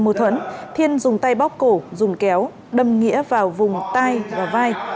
theo cầu trạng thiên dùng tay bóp cổ dùng kéo đâm nghĩa vào vùng tai và vai